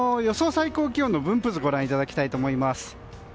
最高気温の分布図をご覧いただきたいと思います。